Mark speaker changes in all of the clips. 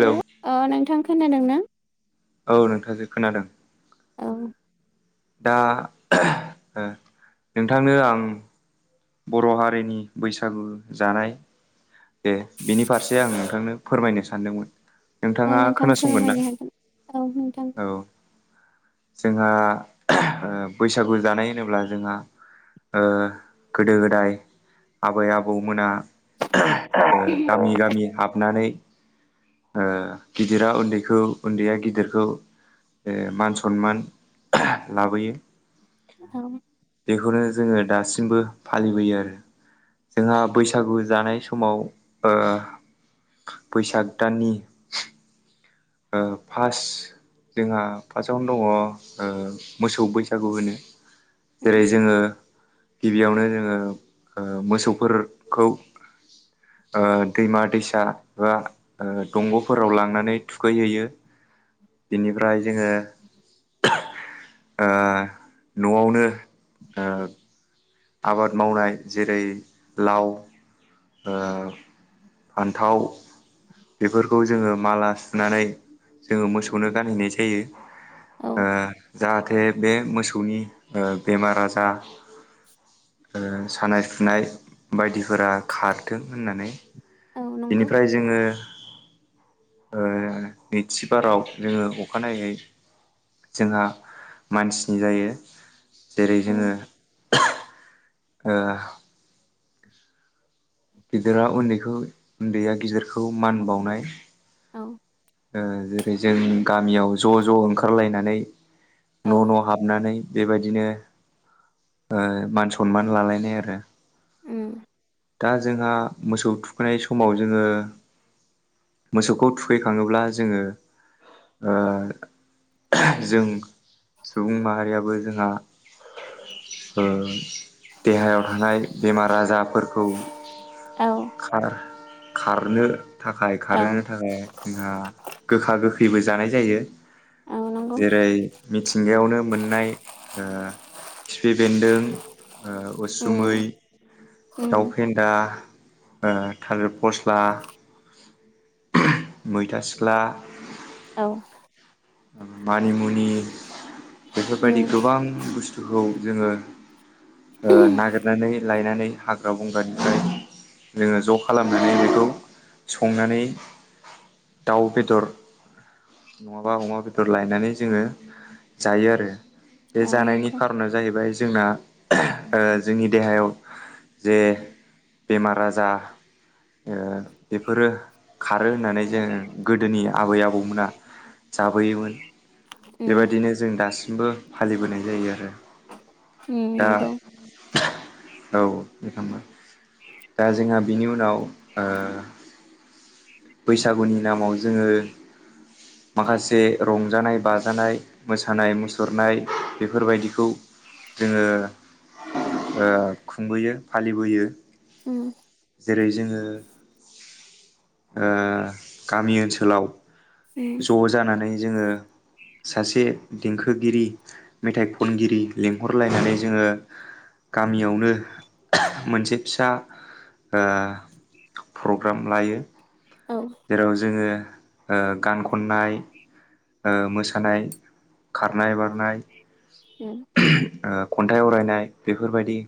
Speaker 1: Hello अ नोंथां खोनादों ना?
Speaker 2: औ नोंथांजो खोनादों।
Speaker 1: औ।
Speaker 2: दा नोंथांनो आं बर' हारिनि बैसागु जानाय दे बिनि फारसे आं नोंथांनो फोरमायनो सानदोंमोन।
Speaker 1: औ
Speaker 2: नोंथाङा
Speaker 1: नोंथां
Speaker 2: खोनासंगोन ना
Speaker 1: फोरमायनो हागोन औ नोंथां
Speaker 2: औ। जोंहा बैसागु जानाय होनोब्ला जोंहा गोदो- गोदाय, आबै -आबौमोना गामि -गामि हाबनानै गिदिरा उन्दैखौ उन्दैया गिदिरखौ मान सनमान लाबोयो।
Speaker 1: औ।
Speaker 2: बेखौनो जोङो दासिमबो फालिबोयो आरो जोंहा बैसागु जानाय सम समाव बैसाग दाननि फास जोंहा फार्स्टआवनो दङ मोसौ बैसागु होनो। जेरै जोङो गिबियावनो जोङो मोसौफोरखौ ओ दैमा दैसा बा ओ दंग'फोराव लांनानै थुखैहैयो बिनिफ्राय जोङो ओ न'आवनो ओ आबाद मावनाय जेरै लाव ओ फान्थाव बेफोरखौ जोङो माला सुनानै जोङो मोसौनो गानहैनाय जायो
Speaker 1: औ
Speaker 2: ओ जाहाथे बे मोसौनि ओ बेमार आजार ओ सानाय सुनाय बायदिफोरा खारदो होननानै
Speaker 1: औ नंगौ
Speaker 2: बिनिफ्राय जोङो ओ नैथि बाराव जोङो अखानायैै जोंहा मानसिनि जायो जेरै
Speaker 1: औ
Speaker 2: जोङो ओ गिदिरा उन्दैखौ उन्दैया गिदिरखौ मान बावनाय
Speaker 1: औ
Speaker 2: ओ जेरै जों गामियाव ज' ज' ओंखारलायनानै
Speaker 1: औ
Speaker 2: न' न' हाबनानै बेबायदिनो ओ मान सनमान लालायनाय आरो
Speaker 1: उम
Speaker 2: दा जोंहा मोसौ थुखैनाय समाव जोङो मोसौखौ थुखै खाङोब्ला जोङो ओ जों सुबुं माहारियाबो जोंहा ओ देहायाव थानाय बेमार आजारफोरखौ
Speaker 1: औ
Speaker 2: खार खारनो थाखाय
Speaker 1: औ
Speaker 2: खारहोनो थाखाय उम गोखा गोखैबो जानाय जायो
Speaker 1: औ नंगौ
Speaker 2: जेरै मिथिंगायावनो मोननाय खिफि बेन्दों
Speaker 1: उम
Speaker 2: उसुमै,
Speaker 1: उम
Speaker 2: दाउ फेन्दा थालिर फस्ला ओहम मैथा सिख्ला
Speaker 1: औ
Speaker 2: मानिमुनि बेफोरबायदि
Speaker 1: उम
Speaker 2: गोबां बुस्थु खौ जोङो नागिरनानै लायनानै हाग्रा बंग्रानिफ्राय जोङो ज' खालामनानै बेखौ संनानै दाउ बेदर नङाबा अमा बेदर लायनानै जोङो जायो आरो बे
Speaker 1: औ
Speaker 2: जानायनि
Speaker 1: नंगौ
Speaker 2: खार'ना जाहैबाय जोंना ओ जोंनि देहायाव जे बेमार आजा बेफोरो खारो होननानै जोङो गोदोनि आबै आबौमोना जाबोयोमोन
Speaker 1: उम
Speaker 2: बेबायदिनो जों दासिमबो फालिबोनाय जायो आरो
Speaker 1: हम
Speaker 2: दा
Speaker 1: नंगौ
Speaker 2: औ [unintelligible] दा जोंहा बिनि उनाव ओ बैसागुनि नामाव जोङो माखासे रंजानाय बाजानाय मोसानाय मुसुरनाय बेफोरबायदिखौ जोङो ओ खुंबोयो फालिबोयो
Speaker 1: उम
Speaker 2: जेरै जोङो ओ गामि ओनसोलाव
Speaker 1: उम
Speaker 2: ज' जानानै जोङो सासे देंखोगिरि मेथाइ खनगिरि लिंहरलायनानै जोङो गामियावनो ओह मोनसे फिसा ओ प्रग्राम लायो
Speaker 1: औ
Speaker 2: जेराव जोङो ओ गान खननाय ओ मोसानाय खारनाय बारनाय
Speaker 1: उम
Speaker 2: खन्थाइ आवरायनाय बेफोरबायदि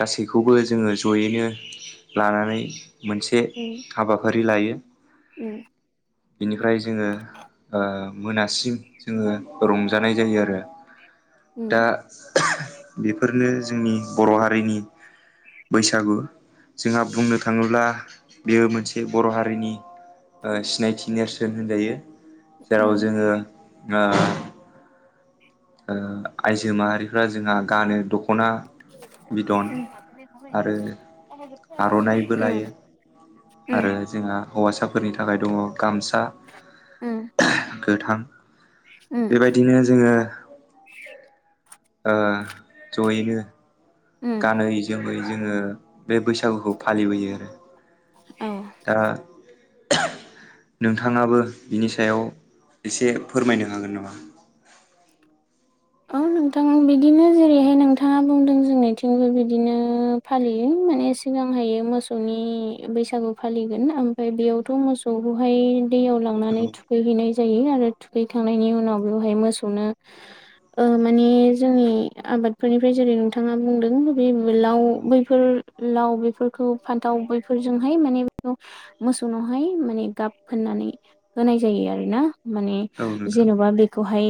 Speaker 2: गासैखौबो जोङो जयैनो लानानै मोनसे
Speaker 1: उम
Speaker 2: हाबाफारि लायो
Speaker 1: उम
Speaker 2: बेनिफ्राय जोङो ओ मोनासिम जोङो रंजानाय जायो आरो
Speaker 1: उम
Speaker 2: दा बेफोरनो जोंनि बर' हारिनि बैसागु जोंहा बुंनो थाङोब्ला बेयो मोनसे बर' हारिनि ओ सिनाय थि नेरसोन होनजायो जेराव जोङो ओ ओ आइजो माहारिफ्रा जोंहा गानो द ख'ना बिद'न आरो आर'नाइबो
Speaker 1: उम
Speaker 2: लायो। आरो जोंहा हौवासाफोरनि थाखाय दङ गामसा गोथां बेबायदिनो जोङो ज'यैनो
Speaker 1: उम उम
Speaker 2: गानै जोमै जोङो बे बैसागुखौ फालिबोयो
Speaker 1: औ
Speaker 2: दा [inaudible] नोंथाङाबो बिनि सायाव एसे फोरमायनो हागोन नामा? [inaudible]
Speaker 1: अ नोंथां बिदिनो जेरैहाय नोंथाङा बुंदों जोंनिथिंबो बिदिनो फालियो। माने सिगांहायो मोसौनि बैसागु फालिगोन ओमफाय बेयावथ' मोसौखौहाय दैयाव
Speaker 2: औ
Speaker 1: लांनानै थुखैहैनाय जायो आरो थुखैखांनायनि उनाव बेवहाय मोसौनो ओ माने जोंनि आबादफोरनिफाय जेरै नोंथाङा बुंदों बि बेलाव बैफोर लाव बेफोरखौ फान्थाव बेैफोरजोंहाय माने [inaudible] मोसौनावहाय माने गाब फोननानै होनाय जायो आरोना माने
Speaker 2: औ नोंथां
Speaker 1: जेन'बा बेखौहाय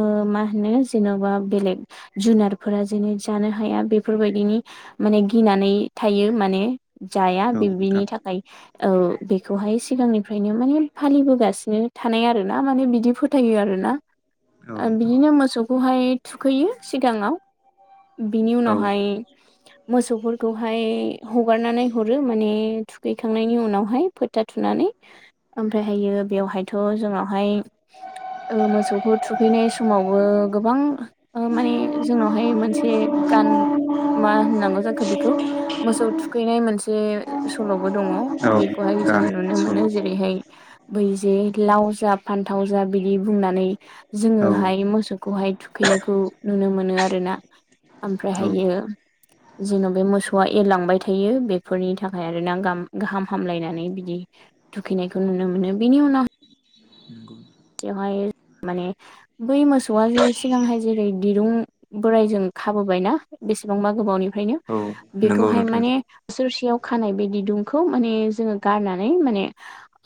Speaker 1: ओ मा बिनो जेन'बा बेलेग जुनारफोरा जेननो जानो हाया बेफोरबायदिनि माने गिनानै थायो माने जाया
Speaker 2: औ
Speaker 1: बे-बेनि
Speaker 2: नोंथां
Speaker 1: थाखाय औ बेखौहा हाय सिगांनिफ्रायनो माने फालिबोगासिनो थानाय आरो ना माने बिदि फोथायो आरोना ओ बिदिनो मो सौखौहाय थुखैयो सिगाङाव बिनि
Speaker 2: औ
Speaker 1: उनावहाय मोसौफोरखौहाय हगारनानै हरो माने थुखैखांनायनि उनावहाय फोथा थुनानै ओमफ्रायहायो बेयावहायथ' जोंनावहाय ओ मोसौखौ थुखैनाय समाव ओ गोबां माने जोंनावहाय मोनसे गान मा होननांगौ जाखो बेखौ मोसौ थुखैनाय मोनसे सल'बो दङ
Speaker 2: औ
Speaker 1: बेखौहाय
Speaker 2: गान
Speaker 1: जोङो नुनो मोनो
Speaker 2: सल'
Speaker 1: जेरैहाय बैजे लाव जा फान्थाव जा बिदि बुंनानै
Speaker 2: औ
Speaker 1: जोङोहाय मोस खौहाय थुखैनायखौ नुनो मोनो आरोना ओमफ्रायहायो जेन' बे मोसौआ एरलांबाय थायो बेफोरनि थाखाय आरो ना गाम गाहाम हामलायनानै बिदि थुखैनायखौ नुनो मोनो बिनि उनाव [unintelligible] हाय माने बै मोसौआ जे सिगांहाय जेरै दिरुं बोराइजों खाबोबायना बेसेबांबा गोबावनिफ्रायनो
Speaker 2: औ नंगौ औ नंगौ
Speaker 1: बेखौहाय
Speaker 2: नोंथां
Speaker 1: माने सोरसेयाव खानाय बे ददुंखौ माने जोङो गारनानै माने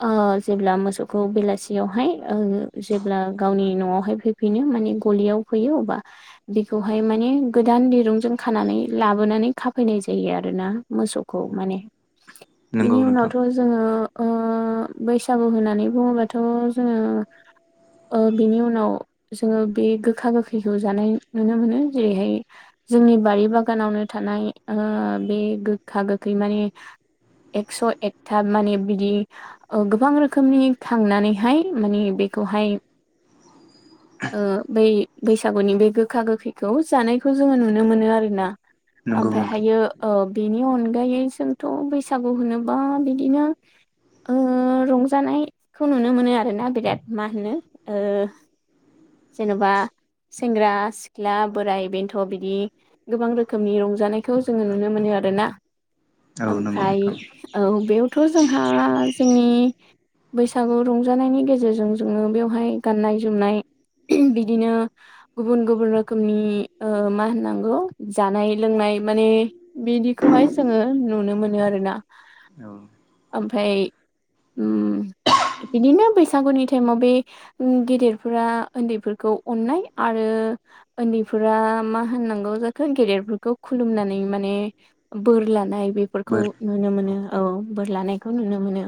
Speaker 1: ओ जेब्ला मोसौखौ बेलासियावहाय ओ जेब्ला गावनि न'आवहाय फैफिनो माने गलियाव फैयो अबा बेखौहाय माने ने गोदान दिरुंजों खानानै लाबोनानै खाफैनाय जायो आरोना मोसौखौ माने
Speaker 2: नंगौ
Speaker 1: बिनि
Speaker 2: नोंथां
Speaker 1: उनावथ' जोङो ओ बैसागु होननानै बुङोबाथ' ओं ओ बेनि उनाव जोङो बे गोखा गोखैखौ जानाय नुनो मोनो जेरैहाय जोंनि बारि बागानावनो थानाय ओ बे गोखा गोखै माने एक्स' एकथा माने बिदि ओ गोबां रोखोमनि खांनानैहाय माने बेखौहाय
Speaker 2: [inaudible]
Speaker 1: ओ बै बैसागुनि बे गोखा गोखैखौ जानायखौ जोङो नुनो मोनो आरो ना।
Speaker 2: नंगौ नोंथां
Speaker 1: ओमफायहायो ओ बेनि अन अनगायै जोंथ' बैसागु होनोबा बिदिनो ओ रंजानायखौ नुनो मोनो आरोना बिराद मा होनो ओ जेनबा सेंग्रा सिख्ला बोराय बेन्थ' बिदि गोबां रोखोमनि रंजानायखौ जोङो
Speaker 2: औ
Speaker 1: नुनो मोनो आरो ना
Speaker 2: औ नंगौ
Speaker 1: ओमफ्राय
Speaker 2: नोंथां
Speaker 1: औ बेयावथ' जोंहा जोंनि बैसागु रंजानायनि गेजेरजों जोङो बेवहाय गाननाय जोमनाय बिदिनो गुबुन गुबुन रोखोमनि मा होननांगौ जानाय लोंनाय माने बिदिखौहाय जोङो नुनो मोनो आरोना
Speaker 2: औ
Speaker 1: ओमफ्राय उम बिदिनो बैसाग बैसागुनि टाइमाव बे गेदेरफोरा उन्दैफोरखौ अननाय आरो उन्दै फोरा मा होननांगौ जाखो गेदेरफोरखौ खुलुमनानै माने बोर लानाय बेफोरखौ
Speaker 2: बोर
Speaker 1: नुनो मोनो औ बोर लानायखौ नुनो मोनो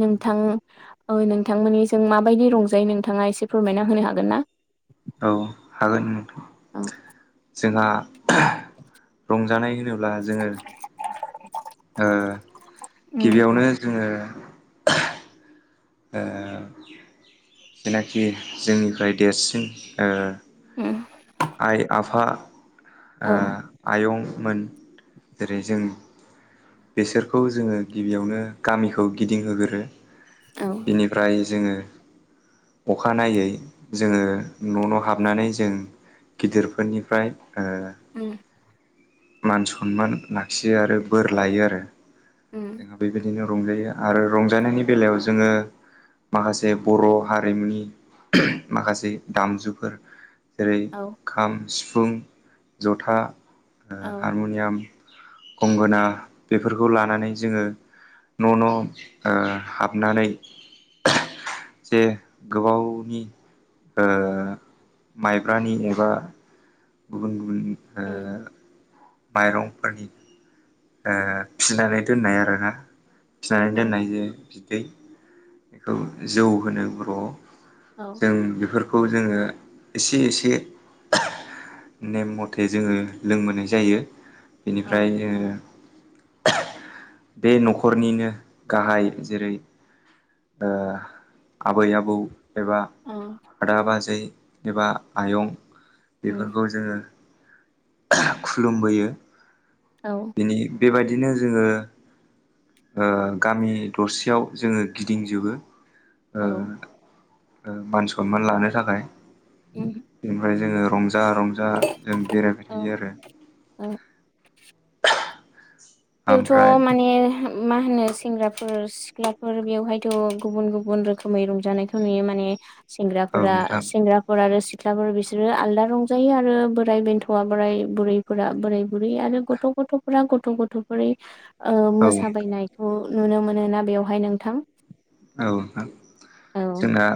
Speaker 1: नोंथां ओ नोंथ नोंथांमोननि जों माबायदि रंजायो नोंथाङा एसे फोरमायना होनो हागोन ना
Speaker 2: औ हागोन नोंथां
Speaker 1: औ
Speaker 2: जोंहा
Speaker 1: [inaudible]
Speaker 2: रंजानाय होनोब्ला जोङो ओ
Speaker 1: उम
Speaker 2: गिबियावनो जोङो ओ जेनाखि जोंनिफ्राय देरसिन ओ
Speaker 1: उम
Speaker 2: आइ आफा
Speaker 1: औ
Speaker 2: आयंमोन जेरै जों बेसोरखौ जोङो गिबियावनो गामिखौ गिदिंहोग्रो
Speaker 1: औ
Speaker 2: बेनिफ्राय जोङो अखानायनायै जोङो न' न' हाबनानै जों गिदिरफोरनिफ्राय ओ
Speaker 1: उम
Speaker 2: मान सनमान लाखियो आरो बोर लायो आरो
Speaker 1: उम
Speaker 2: जोंहा बेबायदिनो रंजायो आरो रंजानायनि बेलायाव जोङो माखासे बर' हारिमुनि माखासे दामजुफोर जेरै
Speaker 1: औ
Speaker 2: खाम सिफुं जथा
Speaker 1: औ
Speaker 2: हारमुनियाम गंगोना बेफोरखौ लानानै जोङो न' न' ओ हाबनानै जे गोबावनि ओ माइब्रानि एबा गुबुन गुबुन ओ
Speaker 1: उम
Speaker 2: माइरंफोरनि ओ फिनानै दोननाय आरोना फिनानै
Speaker 1: औ
Speaker 2: दोननायजों बिदै बेखौ जौ होनो बर'आव
Speaker 1: औ
Speaker 2: जों बेफोर खौ जोङो एसे एसे नेम मथे जोङो लोंबोनाय जायो
Speaker 1: औ
Speaker 2: बेनिफ्राय जोङो बे न'खरनिनो गाहाय जेरै ओ आबै आबौ एबा आदा बाजै एबा आयं
Speaker 1: उम
Speaker 2: बेफोरखौ जोङो खुलुमबोयो
Speaker 1: औ
Speaker 2: बिनि बेबायदिनो जोङो ओ गामि दरसेयाव जोङो गिदिंजोबो ओ
Speaker 1: औ
Speaker 2: ओ मान सनमान लानो थाखाय
Speaker 1: उम
Speaker 2: बेनिफ्राय जोङो जा रंजा जों बेरायबाय
Speaker 1: औ
Speaker 2: थायो आरो।
Speaker 1: औ
Speaker 2: ओमफ्राय
Speaker 1: बेयावथ' माने मा होनो सेंग्राफोर सिख्लाफोर बेवहायथ' गुबुन गुबुन रोखोमै रंजानायखौ नुयो माने
Speaker 2: औ
Speaker 1: सेंग्राफोरा
Speaker 2: नोंथां
Speaker 1: सेंग्राफोर आरो सि सिख्लाफोर बिसोरो आलदा रंजायो आरो बोराय बेन्थ'आ बोराय बुरैफोरा बोराय बुरै आरो गथ' गथ'फोरा गथ' गथ' फ्रै ओ
Speaker 2: औ
Speaker 1: मोसाबायनायखौ नुनो मोनो ना बेवहाय नोंथां
Speaker 2: औ नोंथां
Speaker 1: औ
Speaker 2: जोंना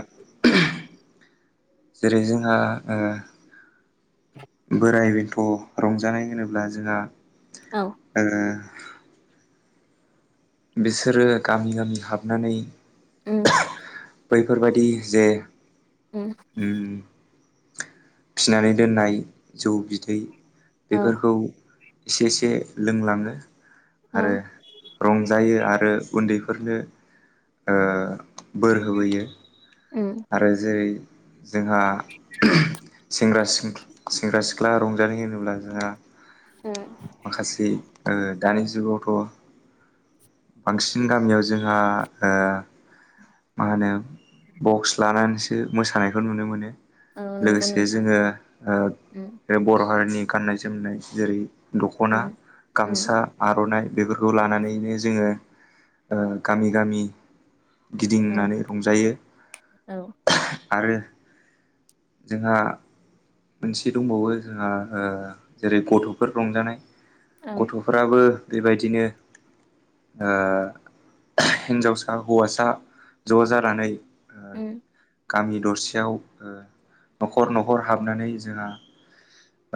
Speaker 2: जेरै जों दा ओ बोराय बेन्थ' रंजानाय होनोब्ला जोंहा
Speaker 1: औ
Speaker 2: ओ बिसोरो गामि गामि हाबनानै
Speaker 1: ओम
Speaker 2: बैफोरबादि जे
Speaker 1: उम
Speaker 2: फिनानै दोननाय जौ बिदै
Speaker 1: औ
Speaker 2: बेफोरखौ इसे एसे लोंलाङो आरो
Speaker 1: औ
Speaker 2: रं जायो आरो उन्दैफोरनो ओ बोर होबोयो
Speaker 1: उम
Speaker 2: आरो जेरै जोंहा सेंग्रा सिं, सेंग्रा सिख्ला रंजानाय होनोब्ला जोंहा
Speaker 1: उम
Speaker 2: माखासे ओ दानि जुगावथ' बांसिन गामियाव जोंहा ओ मा होनो बक्स लानानैसो मोसानायखौ नुनो मोनो।
Speaker 1: औ नंगौ
Speaker 2: लोगोसे
Speaker 1: नोंथां
Speaker 2: जोङो
Speaker 1: उम
Speaker 2: ओ बर' हारिनि गाननाय जोमनाय जेरै दख'ना,
Speaker 1: उम उम
Speaker 2: गामसा, आर'नाइ बेफोरखौ लानानैनो जोङो ओ गामि गामि
Speaker 1: औ
Speaker 2: गिदिंनानै रंजायो।
Speaker 1: औ
Speaker 2: आरो जोंहा मोनसे दंबावो जोंहा ओ जेरै गथ'फोर रंजानाय।
Speaker 1: औ
Speaker 2: गथ'फ्राबो बेबायदिनो ओ हिन्जावसा हौवासा ज' जानानै ओ
Speaker 1: उम
Speaker 2: गामि दरसेयाव ओ न'खर न'खर हाब नानै जोंहा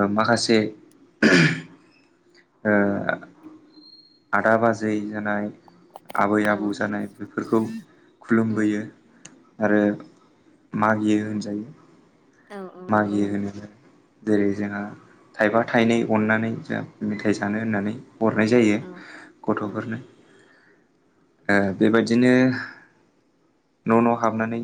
Speaker 2: ओ माखासे ओ आदा बाजै जानाय आबै
Speaker 1: औ
Speaker 2: आबौ जानाय बेफोरखौ
Speaker 1: उम
Speaker 2: खुलुमबोयो। आरो मागियो होनजायो।
Speaker 1: औ औ नंगौ
Speaker 2: मागियो
Speaker 1: नोंथां
Speaker 2: होनोब्ला जेरै जोंहा थाइफा थाइनै अननानै जों मेथाइ जानो होननानै हरनाय जायो
Speaker 1: औ औ
Speaker 2: गथ'फोरनो ओ बेबायदिनो न' न' हाबनानै